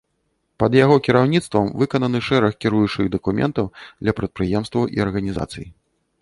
Пад яго кіраўніцтвам выкананы шэраг кіруючых дакументаў для прадпрыемстваў і арганізацый.